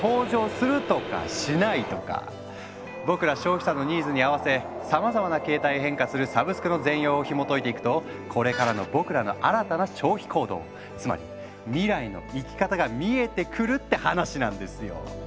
僕ら消費者のニーズに合わせさまざまな形態へ変化するサブスクの全容をひもといていくとこれからの僕らの新たな消費行動つまり未来の生き方が見えてくるって話なんですよ！